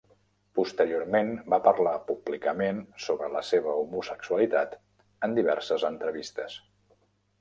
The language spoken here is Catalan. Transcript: Posteriorment, va parlar públicament sobre la seva homosexualitat en diverses entrevistes.